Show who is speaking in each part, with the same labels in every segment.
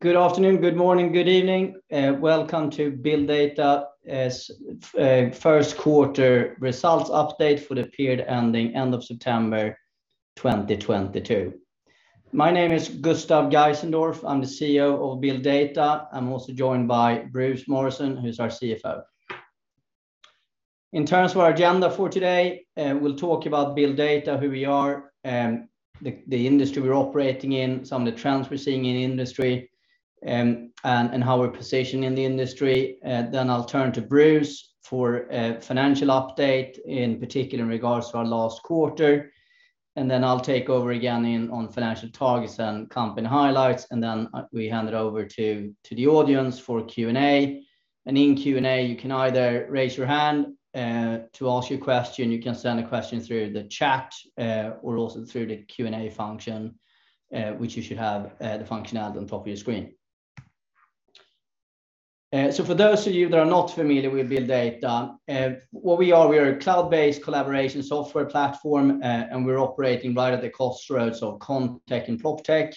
Speaker 1: Good afternoon, good morning, good evening. Welcome to BuildData's first quarter results update for the period ending end of September 2022. My name is Gustav Geisendorf. I'm the CEO of BuildData. I'm also joined by Bruce Morrison, who's our CFO. In terms of our agenda for today, we'll talk about BuildData, who we are, the industry we're operating in, some of the trends we're seeing in industry, and how we're positioned in the industry. I'll turn to Bruce for a financial update, in particular in regards to our last quarter, and then I'll take over again on financial targets and company highlights, and then we hand it over to the audience for Q&A. In Q&A, you can either raise your hand to ask your question, you can send a question through the chat, or also through the Q&A function, which you should have the functionality on top of your screen. For those of you that are not familiar with BuildData, what we are, we are a cloud-based collaboration software platform, and we're operating right at the crossroads of ConTech and PropTech.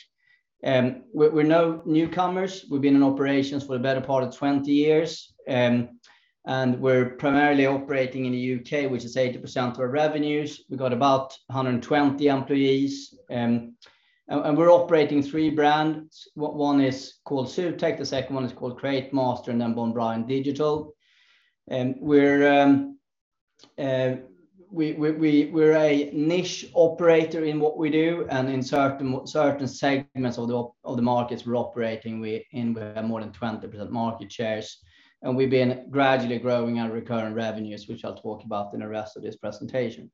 Speaker 1: We're no newcomers. We've been in operations for the better part of 20 years. We're primarily operating in the U.K., which is 80% of our revenues. We've got about 120 employees. We're operating three brands. One is called Zutec, the second one is called Createmaster, and then Bond Bryan Digital. We're a niche operator in what we do and in certain segments of the markets we're operating. We have more than 20% market shares. We've been gradually growing our recurring revenues, which I'll talk about in the rest of this presentation.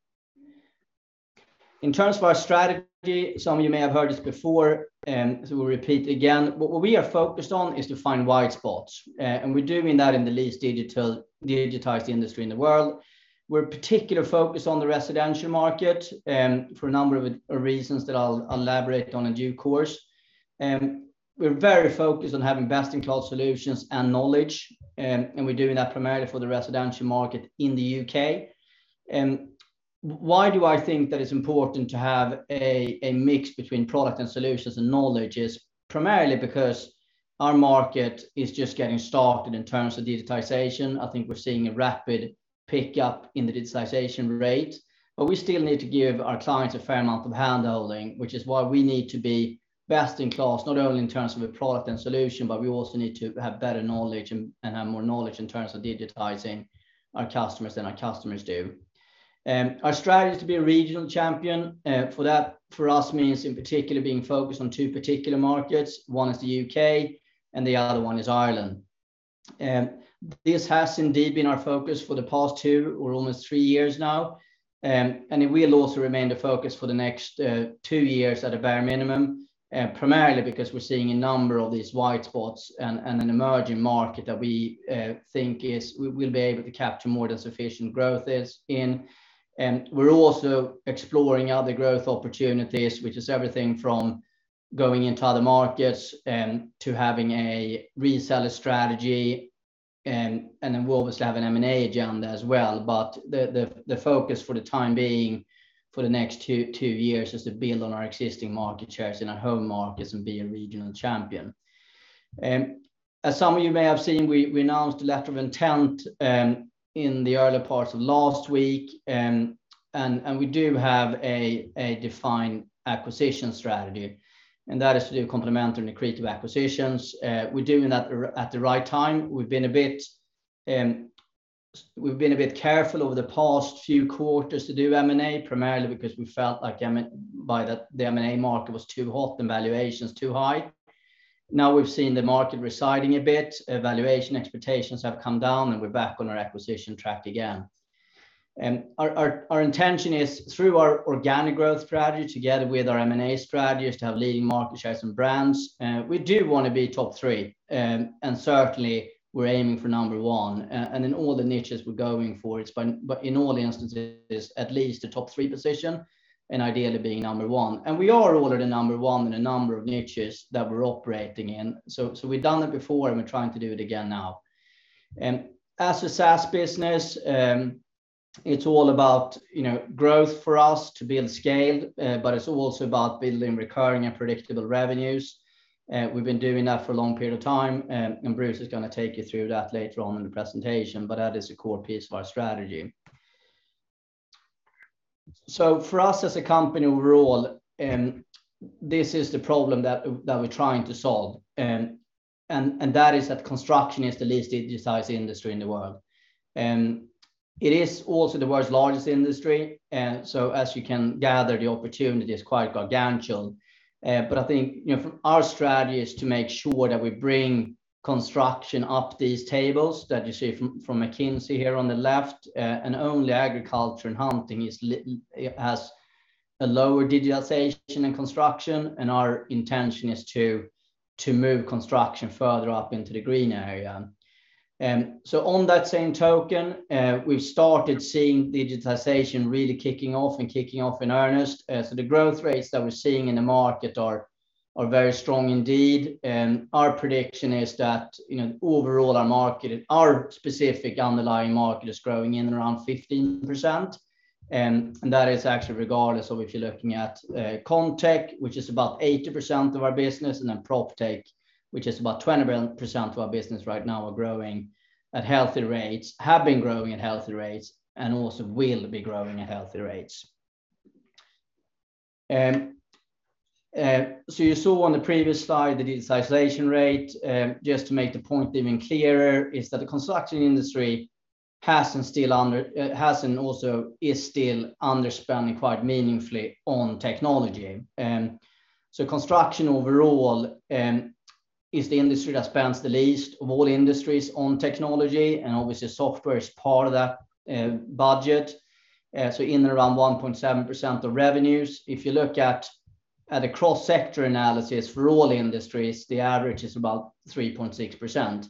Speaker 1: In terms of our strategy, some of you may have heard this before, so we'll repeat again. What we are focused on is to find white spots, and we do mean that in the least digitized industry in the world. We're particularly focused on the residential market for a number of reasons that I'll elaborate on in due course. We're very focused on having best-in-class solutions and knowledge, and we're doing that primarily for the residential market in the U.K. Why do I think that it's important to have a mix between product and solutions and knowledge? It's primarily because our market is just getting started in terms of digitization. I think we're seeing a rapid pickup in the digitization rate, but we still need to give our clients a fair amount of hand-holding, which is why we need to be best-in-class, not only in terms of a product and solution, but we also need to have better knowledge and have more knowledge in terms of digitizing our customers than our customers do. Our strategy is to be a regional champion. For that, for us means in particular being focused on two particular markets. One is the U.K. and the other one is Ireland. This has indeed been our focus for the past two or almost three years now. It will also remain the focus for the next two years at a bare minimum, primarily because we're seeing a number of these white spots and an emerging market that we think we'll be able to capture more than sufficient growth in. We're also exploring other growth opportunities, which is everything from going into other markets to having a reseller strategy. Then we obviously have an M&A agenda as well. The focus for the time being for the next two years is to build on our existing market shares in our home markets and be a regional champion. As some of you may have seen, we announced a letter of intent in the earlier parts of last week. We do have a defined acquisition strategy, and that is to do complementary and accretive acquisitions. We're doing that at the right time. We've been careful over the past few quarters to do M&A, primarily because we felt like the M&A market was too hot and valuations too high. Now we've seen the market receding a bit, valuation expectations have come down, and we're back on our acquisition track again. Our intention is through our organic growth strategy together with our M&A strategy is to have leading market shares and brands. We do want to be top three. Certainly we're aiming for number one. In all the niches we're going for, but in all instances, at least a top three position and ideally being number one. We are already number one in a number of niches that we're operating in. We've done it before, and we're trying to do it again now. As a SaaS business, it's all about, you know, growth for us to build scale, but it's also about building recurring and predictable revenues. We've been doing that for a long period of time, and Bruce is going to take you through that later on in the presentation, but that is a core piece of our strategy. For us as a company overall, this is the problem that we're trying to solve. That is that construction is the least digitized industry in the world. It is also the world's largest industry, so as you can gather, the opportunity is quite gargantuan. I think, you know, our strategy is to make sure that we bring construction up these tables that you see from McKinsey here on the left, and only agriculture and hunting it has a lower digitization than construction, and our intention is to move construction further up into the green area. On that same token, we've started seeing digitization really kicking off in earnest. The growth rates that we're seeing in the market are very strong indeed. Our prediction is that, you know, overall our market, our specific underlying market is growing in and around 15%. That is actually regardless of if you're looking at ConTech, which is about 80% of our business, and then PropTech, which is about 20% of our business right now, are growing at healthy rates, have been growing at healthy rates, and also will be growing at healthy rates. You saw on the previous slide the digitization rate. Just to make the point even clearer is that the construction industry is still underspending quite meaningfully on technology. Construction overall is the industry that spends the least of all industries on technology, and obviously software is part of that budget. In and around 1.7% of revenues. If you look at the cross-sector analysis for all industries, the average is about 3.6%.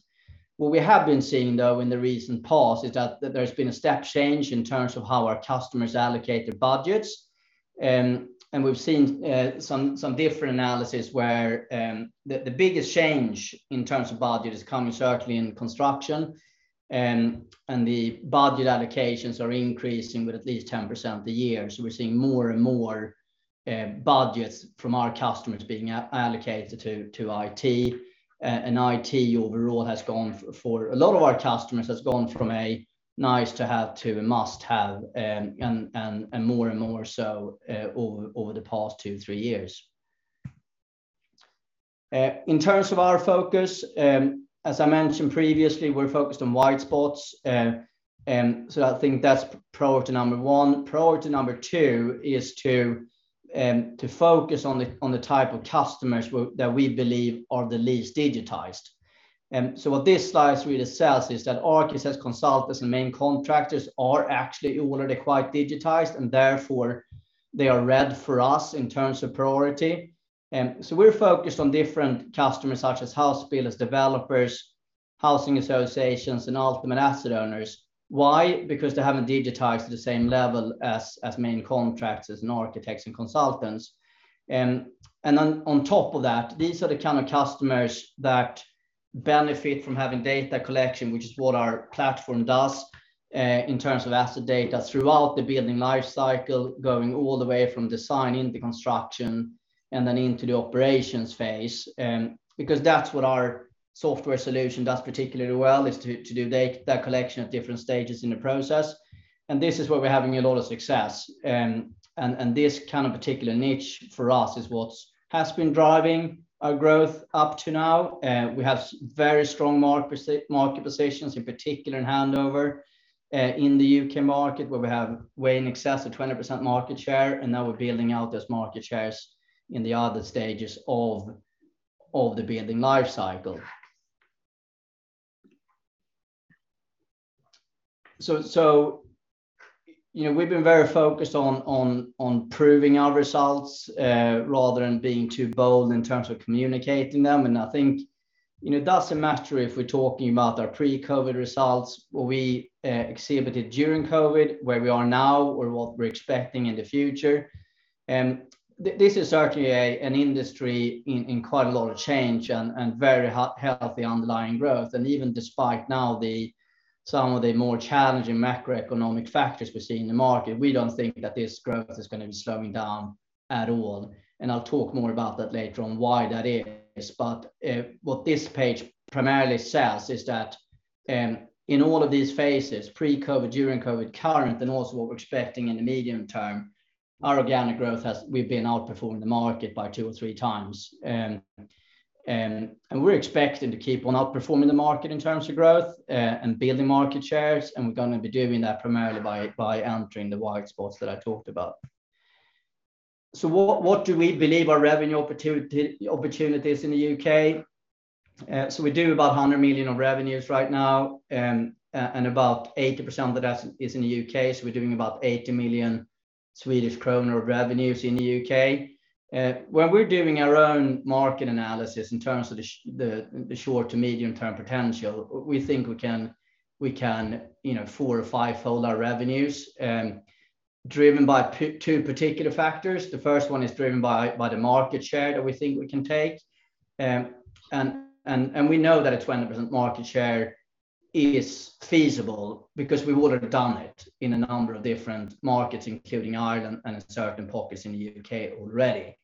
Speaker 1: What we have been seeing though in the recent past is that there's been a step change in terms of how our customers allocate their budgets. We've seen some different analysis where the biggest change in terms of budget is coming certainly in construction. The budget allocations are increasing with at least 10% a year. We're seeing more and more budgets from our customers being allocated to IT. IT overall has gone for a lot of our customers from a nice to have to a must have. More and more so over the past two, three years. In terms of our focus, as I mentioned previously, we're focused on white spots. I think that's priority number one. Priority number two is to focus on the type of customers that we believe are the least digitized. What this slide really says is that architects, consultants and main contractors are actually already quite digitized, and therefore they are red for us in terms of priority. We're focused on different customers such as house builders, developers, housing associations, and ultimate asset owners. Why? Because they haven't digitized at the same level as main contractors and architects and consultants. On top of that, these are the kind of customers that benefit from having data collection, which is what our platform does, in terms of asset data throughout the building life cycle, going all the way from design into construction and then into the operations phase. Because that's what our software solution does particularly well, is to do data collection at different stages in the process. This is where we're having a lot of success. This kind of particular niche for us is what has been driving our growth up to now. We have very strong market positions, in particular in handover, in the U.K. market where we have way in excess of 20% market share, and now we're building out those market shares in the other stages of the building life cycle. You know, we've been very focused on proving our results rather than being too bold in terms of communicating them. I think, you know, it doesn't matter if we're talking about our pre-COVID results, what we exhibited during COVID, where we are now, or what we're expecting in the future. This is certainly an industry in quite a lot of change and very healthy underlying growth. Even despite now some of the more challenging macroeconomic factors we're seeing in the market, we don't think that this growth is going to be slowing down at all. I'll talk more about that later on why that is. What this page primarily says is that in all of these phases, pre-COVID, during COVID, current, and also what we're expecting in the medium-term, our organic growth, we've been outperforming the market by 2x or 3x. We're expecting to keep on outperforming the market in terms of growth and building market shares, and we're going to be doing that primarily by entering the white spots that I talked about. What do we believe are revenue opportunities in the U.K.? We do about 100 million of revenues right now, and about 80% of that's is in the U.K. We're doing about 80 million Swedish kronor of revenues in the U.K. When we're doing our own market analysis in terms of the short to medium-term potential, we think we can, you know, four- or five-fold our revenues, driven by two particular factors. The first one is driven by the market share that we think we can take. We know that a 20% market share is feasible because we would have done it in a number of different markets, including Ireland and certain pockets in the U.K. already.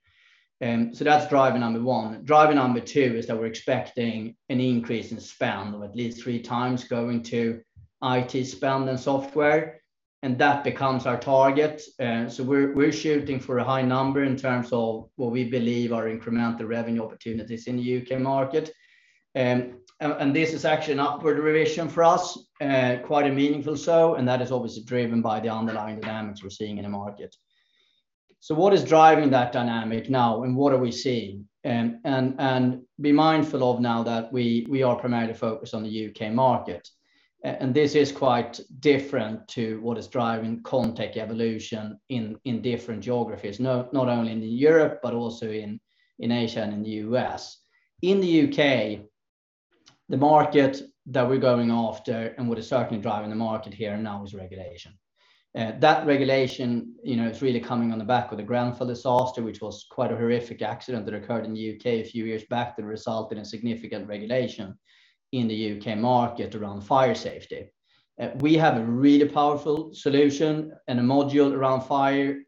Speaker 1: That's driver number one. Driver number two is that we're expecting an increase in spend of at least 3x going to IT spend and software, and that becomes our target. We're shooting for a high number in terms of what we believe are incremental revenue opportunities in the U.K. market. This is actually an upward revision for us, quite a meaningful so, and that is obviously driven by the underlying dynamics we're seeing in the market. What is driving that dynamic now, and what are we seeing? Be mindful now that we are primarily focused on the U.K. market. This is quite different to what is driving ConTech evolution in different geographies, not only in Europe, but also in Asia and in the U.S. In the U.K., the market that we're going after and what is certainly driving the market here and now is regulation. That regulation, you know, is really coming on the back of the Grenfell disaster, which was quite a horrific accident that occurred in the U.K. a few years back that resulted in significant regulation in the U.K. market around fire safety. We have a really powerful solution and a module around fire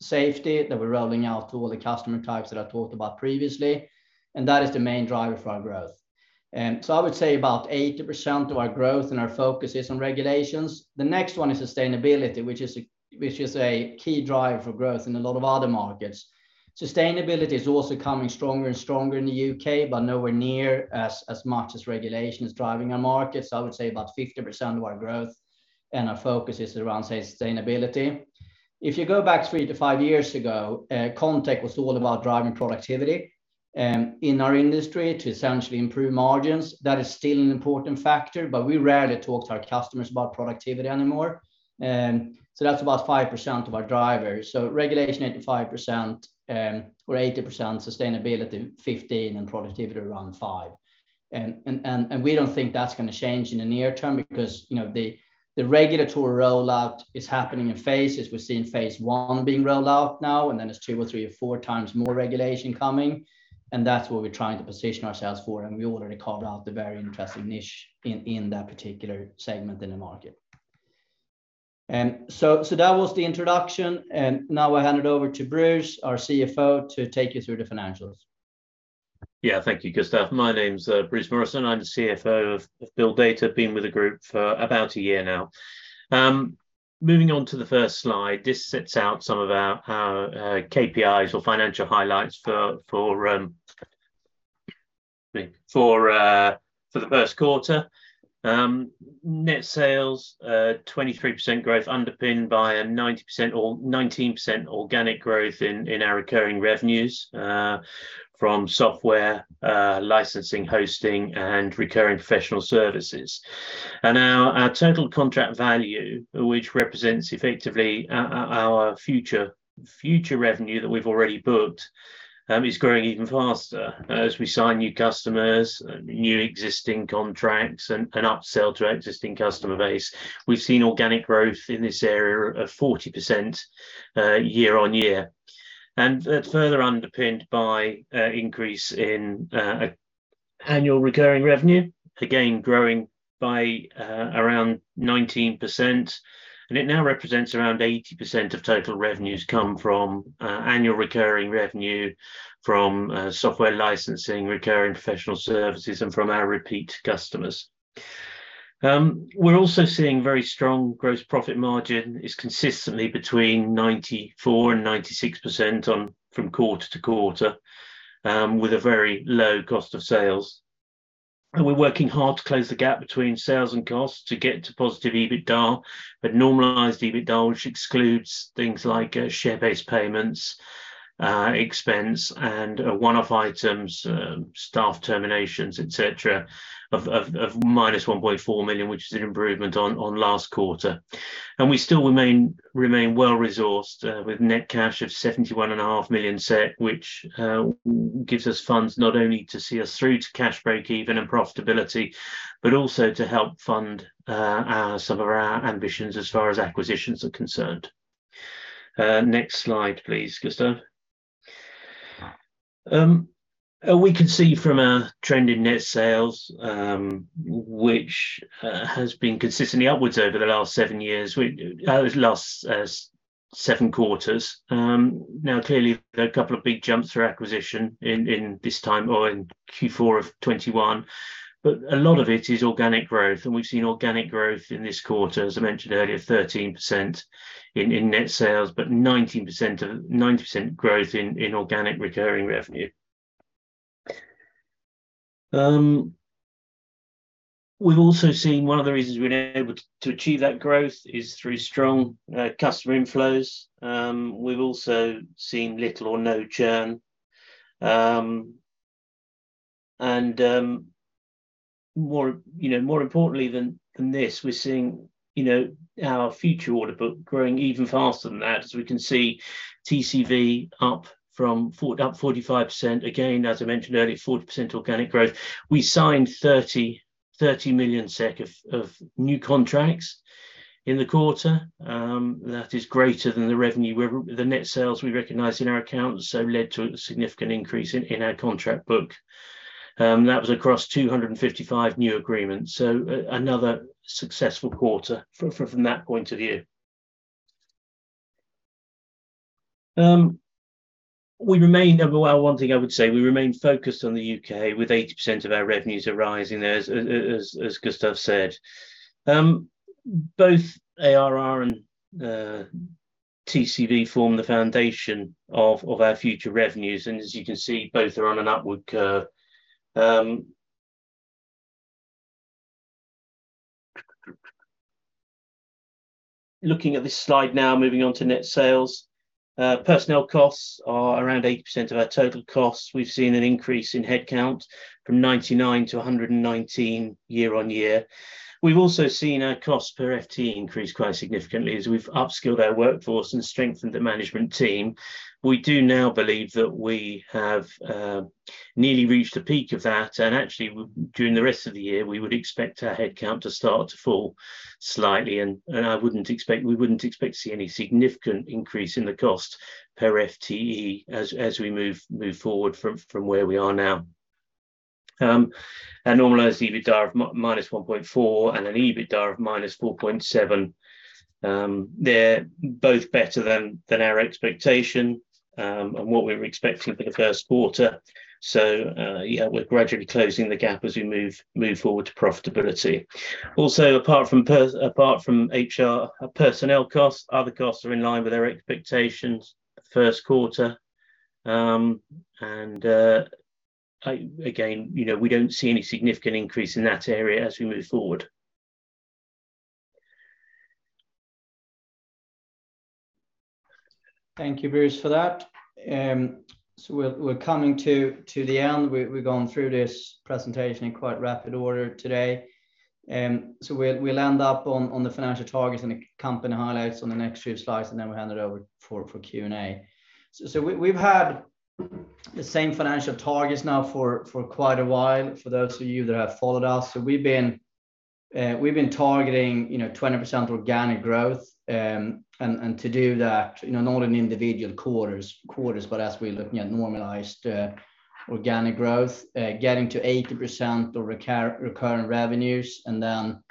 Speaker 1: safety that we're rolling out to all the customer types that I talked about previously, and that is the main driver for our growth. I would say about 80% of our growth and our focus is on regulations. The next one is sustainability, which is a key driver for growth in a lot of other markets. Sustainability is also coming stronger and stronger in the U.K., but nowhere near as much as regulation is driving our markets. I would say about 50% of our growth and our focus is around, say, sustainability. If you go back three to five years ago, ConTech was all about driving productivity in our industry to essentially improve margins. That is still an important factor, but we rarely talk to our customers about productivity anymore. That's about 5% of our drivers. Regulation 85%, or 80%, sustainability 15%, and productivity around 5%. We don't think that's going to change in the near term because, you know, the regulatory rollout is happening in phases. We're seeing phase I being rolled out now, and then there's 2x or 3x or 4x more regulation coming, and that's what we're trying to position ourselves for, and we already carved out the very interesting niche in that particular segment in the market. That was the introduction, and now I'll hand it over to Bruce, our CFO, to take you through the financials.
Speaker 2: Yeah. Thank you, Gustav. My name's Bruce Morrison. I'm the CFO of BuildData. Been with the group for about a year now. Moving on to the first slide. This sets out some of our KPIs or financial highlights for the first quarter. Net sales 23% growth underpinned by a 19% organic growth in our recurring revenues from software licensing, hosting, and recurring professional services. Our total contract value, which represents effectively our future revenue that we've already booked, is growing even faster as we sign new customers, new and existing contracts, and an upsell to our existing customer base. We've seen organic growth in this area of 40%, year-on-year. That's further underpinned by an increase in annual recurring revenue, again growing by around 19%, and it now represents around 80% of total revenues come from annual recurring revenue from software licensing, recurring professional services, and from our repeat customers. We're also seeing very strong gross profit margin is consistently between 94% and 96% from quarter to quarter, with a very low cost of sales. We're working hard to close the gap between sales and costs to get to positive EBITDA, but normalized EBITDA, which excludes things like share-based payments expense, and one-off items, staff terminations, etc., of minus 1.4 million, which is an improvement on last quarter. We still remain well resourced with net cash of 71.5 Million, which gives us funds not only to see us through to cash break-even and profitability, but also to help fund some of our ambitions as far as acquisitions are concerned. Next slide, please, Gustaf. We can see from our trend in net sales, which has been consistently upwards over the last seven quarters. Now clearly there are a couple of big jumps through acquisition in this time or in Q4 of 2021, but a lot of it is organic growth, and we've seen organic growth in this quarter, as I mentioned earlier, 13% in net sales, but 19% growth in organic recurring revenue. We've also seen one of the reasons we've been able to achieve that growth is through strong customer inflows. We've also seen little or no churn. More importantly than this, we're seeing you know our future order book growing even faster than that, as we can see TCV up 45%, again, as I mentioned earlier, 40% organic growth. We signed 30 million SEK of new contracts in the quarter, that is greater than the net sales we recognized in our accounts, so led to a significant increase in our contract book. That was across 255 new agreements, so another successful quarter from that point of view. Well, one thing I would say, we remain focused on the U.K. with 80% of our revenues arising there as Gustave said. Both ARR and TCV form the foundation of our future revenues and as you can see, both are on an upward curve. Looking at this slide now, moving on to net sales. Personnel costs are around 80% of our total costs. We've seen an increase in headcount from 99 to 119 year-on-year. We've also seen our cost per FTE increase quite significantly as we've upskilled our workforce and strengthened the management team. We do now believe that we have nearly reached a peak of that, and actually during the rest of the year, we would expect our headcount to start to fall slightly. We wouldn't expect to see any significant increase in the cost per FTE as we move forward from where we are now. Our normalized EBITDA of -1.4% and an EBITDA of -4.7%, they're both better than our expectation and what we were expecting for the first quarter. Yeah, we're gradually closing the gap as we move forward to profitability. Also, apart from HR personnel costs, other costs are in line with our expectations first quarter. Again, you know, we don't see any significant increase in that area as we move forward.
Speaker 1: Thank you, Bruce, for that. We're coming to the end. We've gone through this presentation in quite rapid order today. We'll end up on the financial targets and the company highlights on the next few slides, and then we'll hand it over for Q&A. We've had the same financial targets now for quite a while, for those of you that have followed us. We've been targeting, you know, 20% organic growth. To do that, you know, not in individual quarters, but as we're looking at normalized organic growth, getting to 80% of recurring revenues and then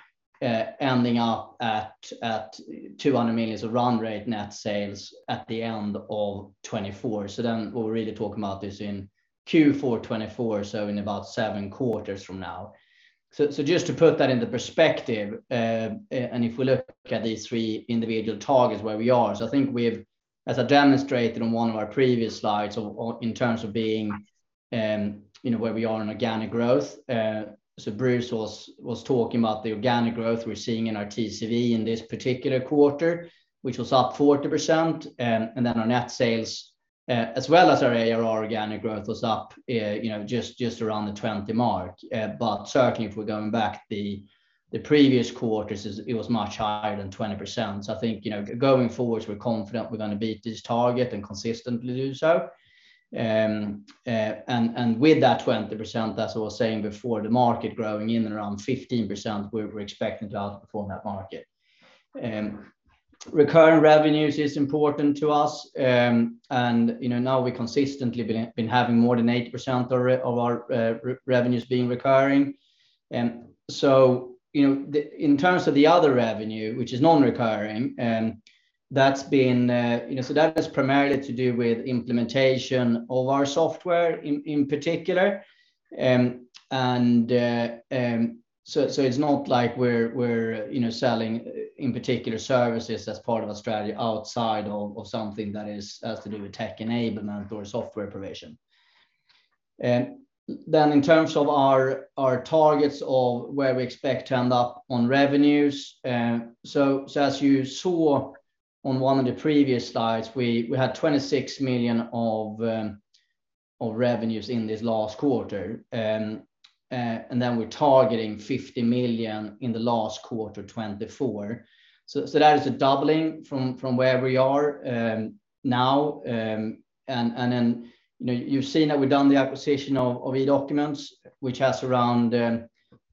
Speaker 1: ending up at 200 million of run rate net sales at the end of 2024. We'll really talk about this in Q4 2024, so in about seven quarters from now. Just to put that into perspective, and if we look at these three individual targets where we are. I think as I demonstrated on one of our previous slides of, in terms of being, you know, where we are in organic growth. Bruce was talking about the organic growth we're seeing in our TCV in this particular quarter, which was up 40%. Then our net sales, as well as our ARR organic growth was up, you know, just around the 20% mark. Certainly, if we're going back to the previous quarters, it was much higher than 20%. I think, you know, going forward, we're confident we're going to beat this target and consistently do so. With that 20%, as I was saying before, the market growing in and around 15%, we're expecting to outperform that market. Recurring revenues is important to us. You know, now we consistently been having more than 80% of our revenues being recurring. You know, in terms of the other revenue, which is non-recurring, that's been. You know, that is primarily to do with implementation of our software in particular. It's not like we're, you know, selling in particular services as part of a strategic outside of something that is has to do with tech enablement or software provision. In terms of our targets of where we expect to end up on revenues. As you saw on one of the previous slides, we had 26 million of revenues in this last quarter. We're targeting 50 million in the last quarter 2024. That is a doubling from where we are now. You know, you've seen that we've done the acquisition of eDocuments, which has around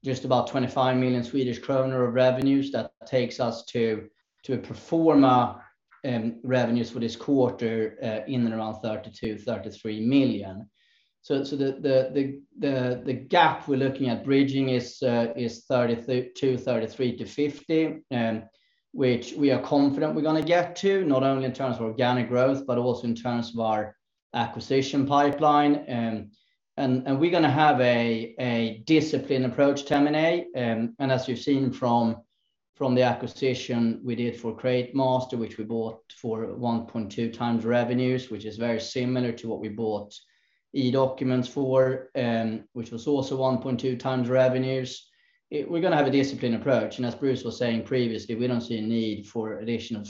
Speaker 1: just about 25 million Swedish kronor of revenues that takes us to a pro forma revenues for this quarter in and around 32 million, 33 million. The gap we're looking at bridging is 33 million-50 million, which we are confident we're going to get to, not only in terms of organic growth, but also in terms of our acquisition pipeline. We're going to have a disciplined approach, [term]. As you've seen from the acquisition we did for Createmaster, which we bought for 1.2x revenues, which is very similar to what we bought eDocuments for, which was also 1.2x revenues. We're going to have a disciplined approach. As Bruce was saying previously, we don't see a need for additional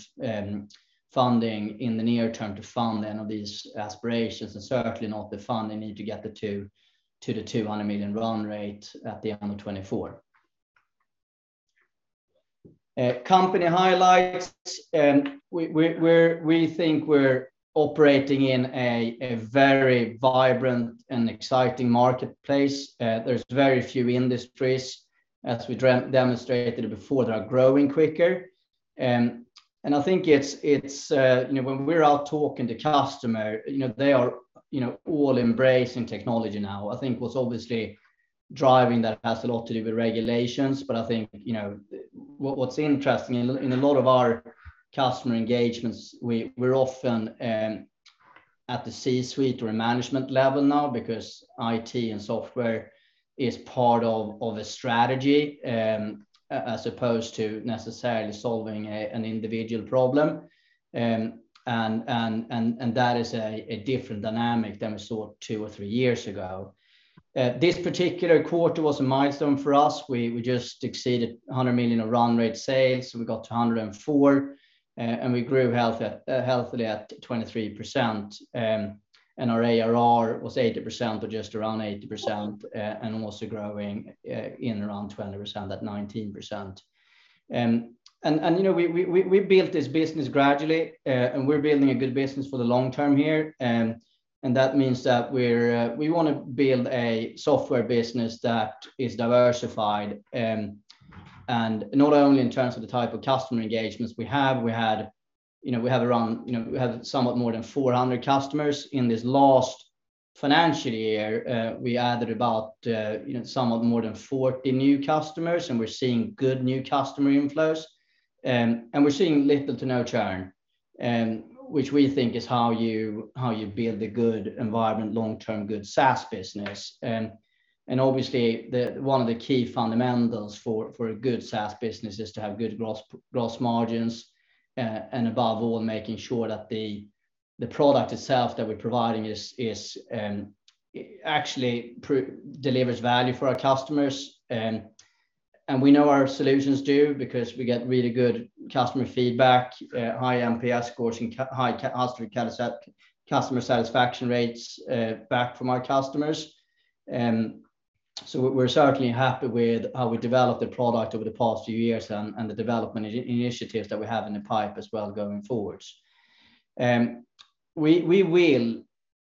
Speaker 1: funding in the near-term to fund any of these aspirations and certainly not the funding need to get to the 200 million run rate at the end of 2024. Company highlights. We think we're operating in a very vibrant and exciting marketplace. There's very few industries, as we demonstrated before, that are growing quicker. I think it's you know, when we're out talking to customer, you know, they are, you know, all embracing technology now. I think what's obviously driving that has a lot to do with regulations. I think, you know, what's interesting in a lot of our customer engagements, we're often at the C-suite or management level now because IT and software is part of a strategy, as opposed to necessarily solving an individual problem. That is a different dynamic than we saw two or three years ago. This particular quarter was a milestone for us. We just exceeded 100 million of run rate sales, so we got to 104 million. We grew healthily at 23%. Our ARR was 80% or just around 80%, and also growing in around 20%, at 19%. You know, we built this business gradually, and we're building a good business for the long-term here. That means that we're we want to build a software business that is diversified, and not only in terms of the type of customer engagements we have. You know, we have somewhat more than 400 customers in this last financial year, we added about, you know, somewhat more than 40 new customers, and we're seeing good new customer inflows. We're seeing little to no churn, which we think is how you build a good environment long-term good SaaS business. Obviously one of the key fundamentals for a good SaaS business is to have good gross margins, and above all, making sure that the product itself that we're providing is actually delivers value for our customers. We know our solutions do because we get really good customer feedback, high NPS scores and high customer satisfaction rates back from our customers. We're certainly happy with how we developed the product over the past few years and the development initiatives that we have in the pipeline as well going forward. We will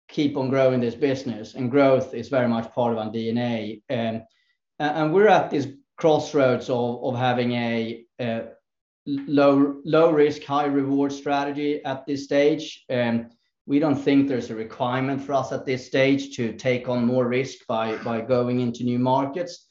Speaker 1: keep on growing this business, and growth is very much part of our DNA. We're at this crossroads of having a low risk, high reward strategy at this stage. We don't think there's a requirement for us at this stage to take on more risk by going into new markets.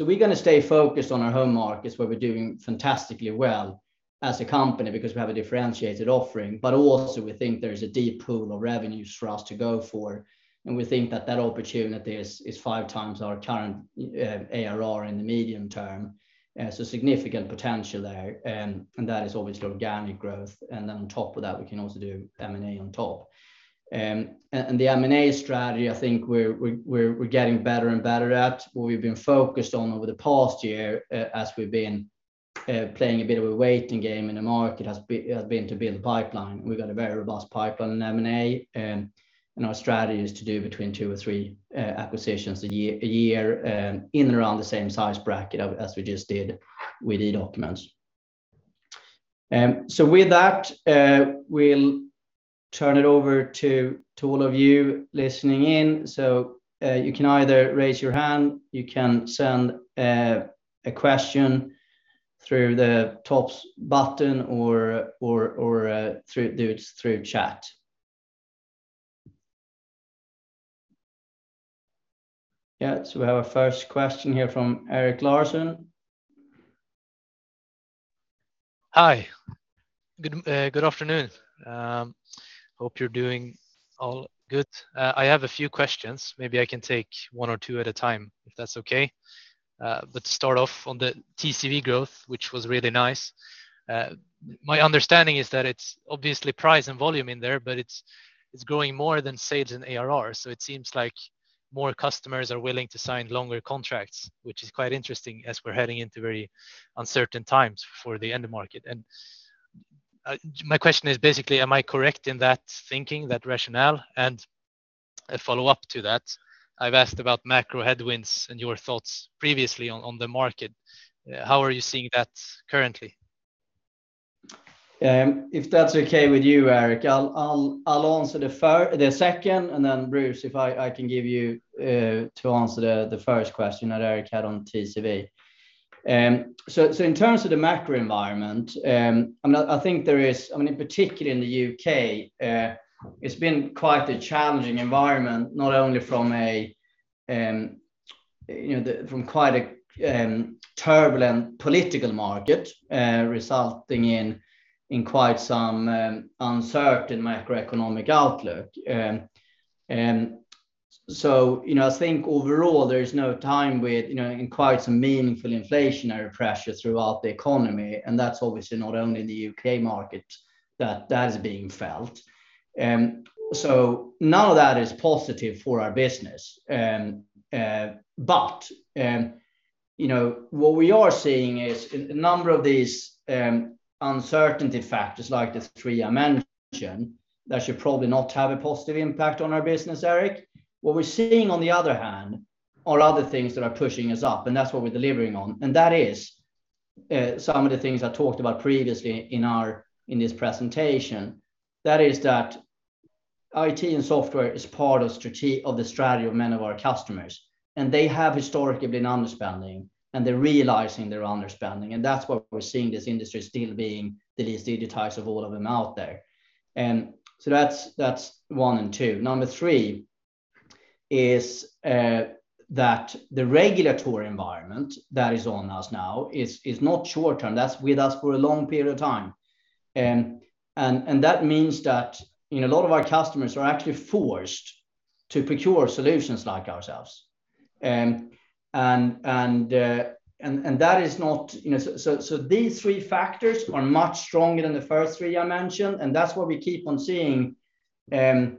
Speaker 1: We're going to stay focused on our home markets where we're doing fantastically well as a company because we have a differentiated offering. We think there's a deep pool of revenues for us to go for, and we think that opportunity is 5x our current ARR in the medium-term. Significant potential there. That is obviously organic growth. On top of that, we can also do M&A on top. The M&A strategy, I think we're getting better and better at. What we've been focused on over the past year as we've been playing a bit of a waiting game in the market has been to build a pipeline. We've got a very robust pipeline in M&A, and our strategy is to do between two or three acquisitions a year, in and around the same size bracket as we just did with eDocuments. With that, we'll turn it over to all of you listening in. You can either raise your hand, you can send a question through the thumbs-up button or do it through chat. Yeah. We have our first question here from Erik Larson.
Speaker 3: Hi. Good afternoon. Hope you're doing all good. I have a few questions. Maybe I can take one or two at a time, if that's okay. To start off on the TCV growth, which was really nice. My understanding is that it's obviously price and volume in there, but it's growing more than sales and ARR. It seems like more customers are willing to sign longer contracts, which is quite interesting as we're heading into very uncertain times for the end market. My question is basically, am I correct in that thinking, that rationale? A follow-up to that, I've asked about macro headwinds and your thoughts previously on the market. How are you seeing that currently?
Speaker 1: If that's okay with you, Erik, I'll answer the second, and then Bruce, if I can give you to answer the first question that Erik had on TCV. In terms of the macro environment, I think there is, I mean, in particular in the U.K., it's been quite a challenging environment, not only from a, you know, quite a turbulent political market, resulting in quite some uncertain macroeconomic outlook. You know, I think overall there is no time without, you know, and quite some meaningful inflationary pressure throughout the economy, and that's obviously not only in the U.K. market that is being felt. None of that is positive for our business. You know, what we are seeing is a number of these uncertainty factors like the three I mentioned that should probably not have a positive impact on our business, Erik. What we're seeing on the other hand are other things that are pushing us up, and that's what we're delivering on. That is some of the things I talked about previously in our, in this presentation. That is that IT and software is part of the strategy of many of our customers, and they have historically been underspending, and they're realizing they're underspending. That's why we're seeing this industry still being the least digitized of all of them out there. So that's one and two. Number three is that the regulatory environment that is on us now is not short-term. That's with us for a long period of time. That means that, you know, a lot of our customers are actually forced to procure solutions like ourselves. These three factors are much stronger than the first three I mentioned, and that's why we keep on seeing, you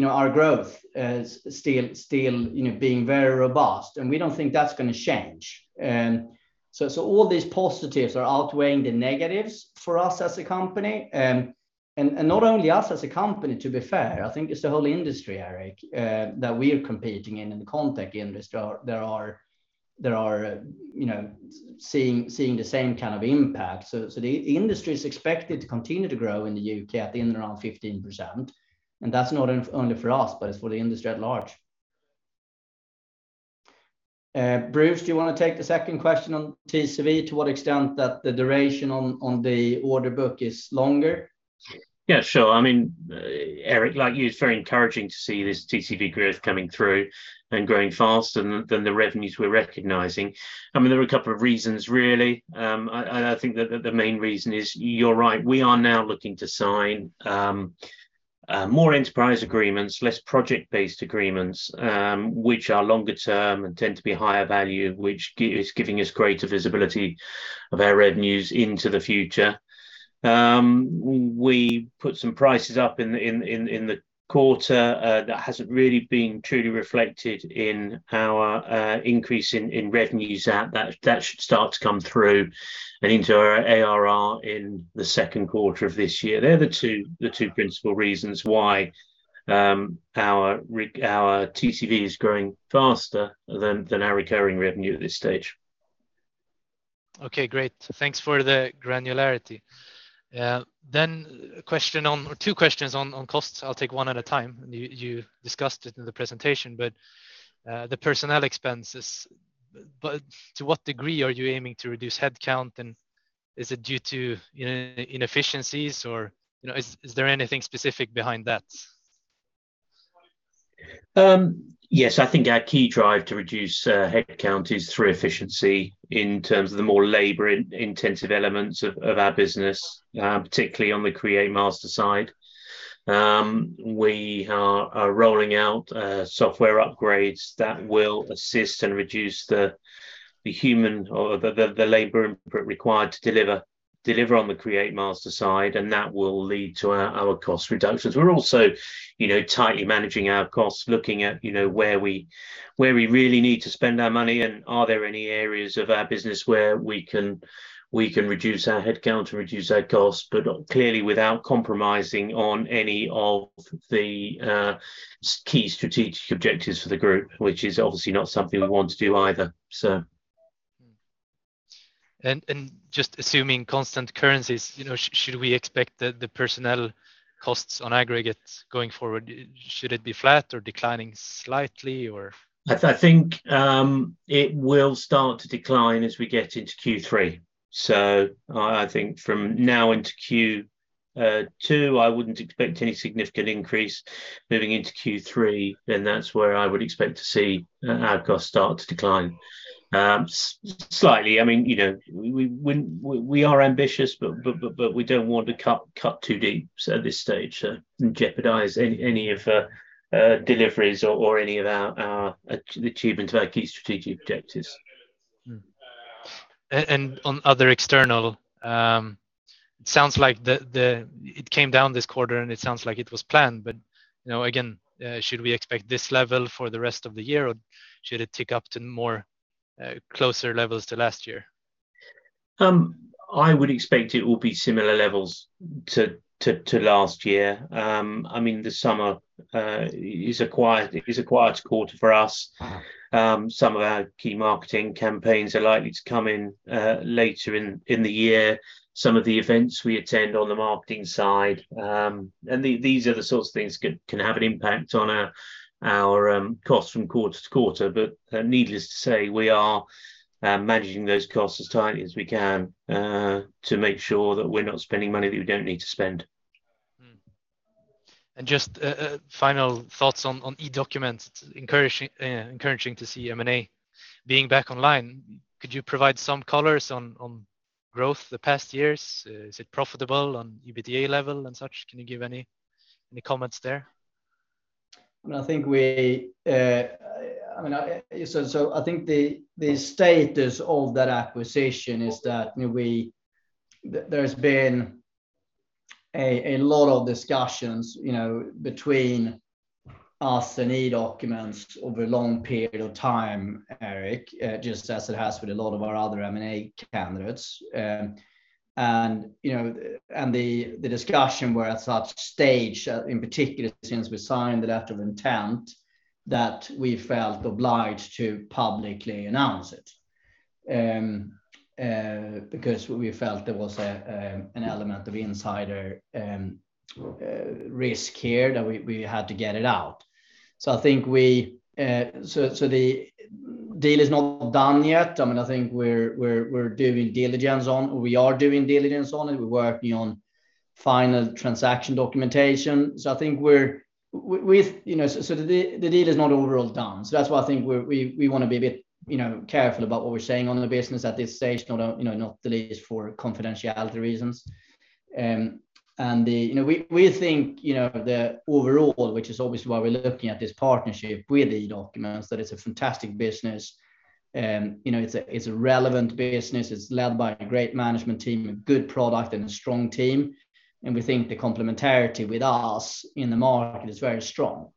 Speaker 1: know, our growth as still, you know, being very robust, and we don't think that's going to change. All these positives are outweighing the negatives for us as a company. Not only us as a company, to be fair, I think it's the whole industry, Erik, that we're competing in the ConTech industry. They're seeing the same kind of impact. The industry is expected to continue to grow in the U.K. at around 15%, and that's not only for us, but it's for the industry at large. Bruce, do you want to take the second question on TCV? To what extent that the duration on the order book is longer?
Speaker 2: Yeah, sure. I mean, Erik, like you, it's very encouraging to see this TCV growth coming through and growing faster than the revenues we're recognizing. I mean, there are a couple of reasons really. I think that the main reason is, you're right, we are now looking to sign more enterprise agreements, less project-based agreements, which are longer-term and tend to be higher value, which is giving us greater visibility of our revenues into the future. We put some prices up in the quarter, that hasn't really been truly reflected in our increase in revenues. That should start to come through and into our ARR in the second quarter of this year. They're the two principal reasons why our TCV is growing faster than our recurring revenue at this stage.
Speaker 3: Okay, great. Thanks for the granularity. Two questions on costs. I'll take one at a time. You discussed it in the presentation, but the personnel expenses, but to what degree are you aiming to reduce head count? Is it due to inefficiencies? You know, is there anything specific behind that?
Speaker 2: Yes. I think our key drive to reduce head count is through efficiency in terms of the more labor-intensive elements of our business, particularly on the Createmaster side. We are rolling out software upgrades that will assist and reduce the human or the labor input required to deliver on the Createmaster side, and that will lead to our cost reductions. We're also, you know, tightly managing our costs, looking at, you know, where we really need to spend our money, and are there any areas of our business where we can reduce our head count to reduce our costs, but clearly without compromising on any of the key strategic objectives for the group, which is obviously not something we want to do either. Sir.
Speaker 3: Just assuming constant currencies, you know, should we expect the personnel costs on aggregate going forward? Should it be flat or declining slightly?
Speaker 2: I think it will start to decline as we get into Q3. I think from now into Q2, I wouldn't expect any significant increase. Moving into Q3, that's where I would expect to see our costs start to decline slightly. I mean, you know, we are ambitious, but we don't want to cut too deep so at this stage and jeopardize any of deliveries or any of our achievements of our key strategic objectives.
Speaker 3: On other external, it sounds like it came down this quarter, and it sounds like it was planned. You know, again, should we expect this level for the rest of the year, or should it tick up to more, closer levels to last year?
Speaker 2: I would expect it will be similar levels to last year. I mean, the summer is a quiet quarter for us. Some of our key marketing campaigns are likely to come in later in the year. Some of the events we attend on the marketing side, and these are the sorts of things can have an impact on our costs from quarter to quarter. Needless to say, we are managing those costs as tightly as we can to make sure that we're not spending money that we don't need to spend.
Speaker 3: Just final thoughts on eDocuments. It's encouraging to see M&A being back online. Could you provide some color on growth the past years? Is it profitable on EBITDA level and such? Can you give any comments there?
Speaker 1: I mean, I think the status of that acquisition is that there's been a lot of discussions, you know, between us and eDocuments over a long period of time, Erik, just as it has with a lot of our other M&A candidates. The discussions were at such a stage, in particular since we signed the letter of intent, that we felt obliged to publicly announce it. Because we felt there was an element of insider risk here that we had to get it out. The deal is not done yet. I mean, I think we're doing diligence on it. We're working on final transaction documentation. I think the deal is not overall done. That's why I think we want to be a bit, you know, careful about what we're saying on the business at this stage. Not, you know, not the least for confidentiality reasons. We think the overall, which is obviously why we're looking at this partnership with eDocuments, that it's a fantastic business. You know, it's a relevant business. It's led by a great management team, a good product and a strong team. We think the complementarity with us in the market is very strong.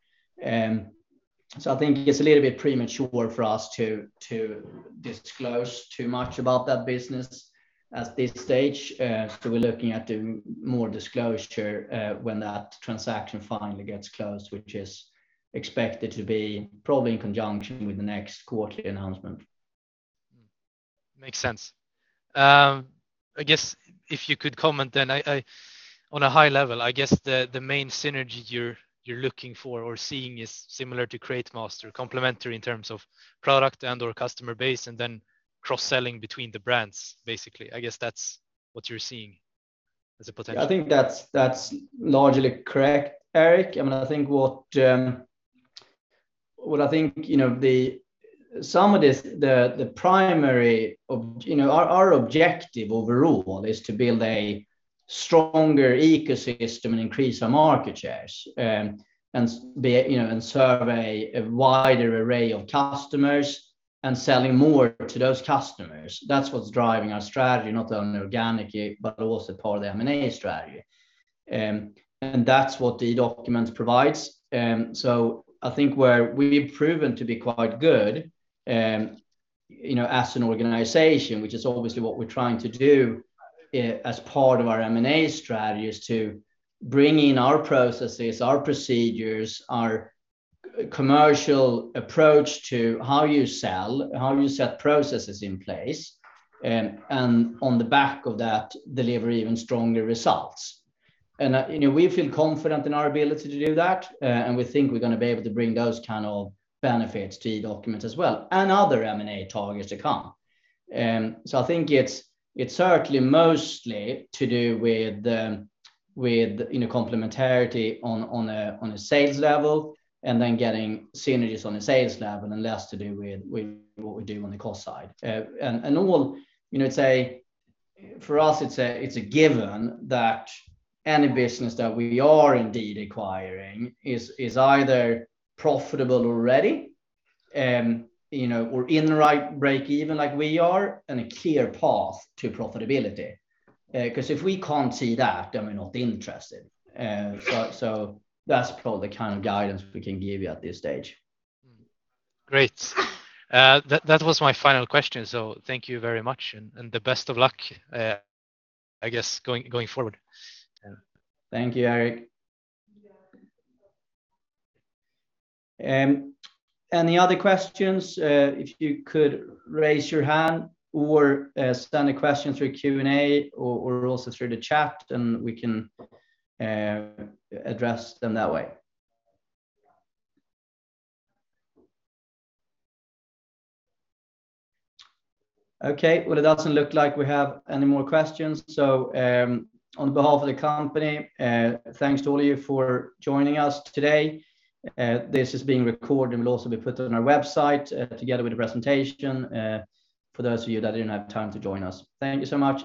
Speaker 1: I think it's a little bit premature for us to disclose too much about that business at this stage. We're looking at doing more disclosure when that transaction finally gets closed, which is expected to be probably in conjunction with the next quarterly announcement.
Speaker 3: Makes sense. I guess if you could comment then, on a high level, I guess the main synergy you're looking for or seeing is similar to Createmaster, complementary in terms of product and/or customer base and then cross-selling between the brands basically. I guess that's what you're seeing as a potential.
Speaker 1: I think that's largely correct, Erik. I mean, I think what I think, you know, some of this, our objective overall is to build a stronger ecosystem and increase our market shares, and be, you know, and serve a wider array of customers and selling more to those customers. That's what's driving our strategy, not only organic but also part of the M&A strategy. That's what eDocuments provides. I think where we've proven to be quite good, you know, as an organization, which is obviously what we're trying to do, as part of our M&A strategy, is to bring in our processes, our procedures, our commercial approach to how you sell, how you set processes in place, and on the back of that, deliver even stronger results. You know, we feel confident in our ability to do that. We think we're going to be able to bring those kind of benefits to Edocuments as well, and other M&A targets to come. I think it's certainly mostly to do with you know, complementarity on a sales level and then getting synergies on a sales level and less to do with what we do on the cost side. All, you know, for us, it's a given that any business that we are indeed acquiring is either profitable already, you know, or in the right break even like we are, and a clear path to profitability. Because if we can't see that, then we're not interested. That's probably the kind of guidance we can give you at this stage.
Speaker 3: Great. That was my final question, so thank you very much and the best of luck, I guess going forward.
Speaker 1: Thank you, Erik. Any other questions, if you could raise your hand or send a question through Q&A or also through the chat, and we can address them that way. Okay. Well, it doesn't look like we have any more questions. On behalf of the company, thanks to all of you for joining us today. This is being recorded and will also be put on our website, together with the presentation, for those of you that didn't have time to join us. Thank you so much.